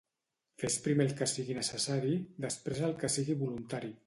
Fes primer el que sigui necessari; després el que sigui voluntari.